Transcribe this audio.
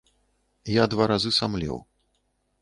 Я два разы самлеў.